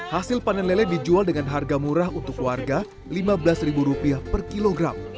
hasil panen lele dijual dengan harga murah untuk warga rp lima belas per kilogram